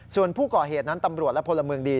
ส่วนผู้ก่อเหตุนั้นตำรวจและพลเมืองดี